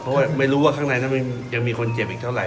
เพราะว่าไม่รู้ว่าข้างในนั้นยังมีคนเจ็บอีกเท่าไห